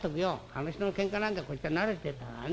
あの人のけんかなんかこっちは慣れてんだからね。